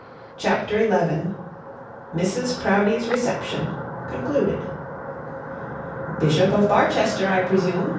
CHAPTER XI MRS PROUDIE'S RECEPTION CONCLUDED 'Bishop of Barchester, I presume?'